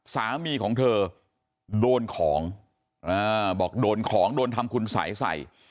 สามีของเธอโดนของบอกโดนของโดนทำคุณสัยใส่